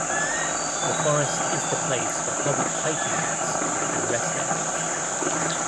The forest is the place for public hiking routes and rest areas.